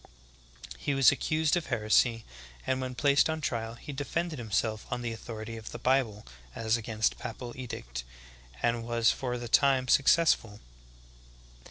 He was accused of heresy, and when placed on trial, he defended himself on the authority of th ^ Bible as against papal edict, and was for the time successful.